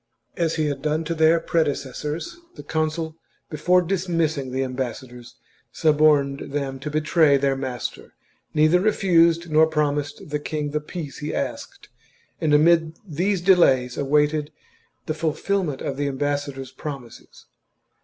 As he had done to their prede cessors, the consul before dismissing the ambassadors suborned them to betray their master, neither refused nor promised the king the peace he asked, and amid these delays awaited the fulfilment of the ambassa dors' promises.